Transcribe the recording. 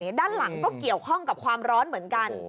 ด้านหลังก็เกี่ยวข้องกับความร้อนเหมือนกัน